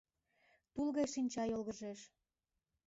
Тул гай шинча йолгыжеш